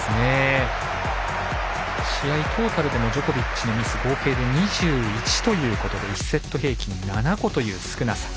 試合トータルでもジョコビッチのミス合計で２１ということで１セット平均７個という少なさ。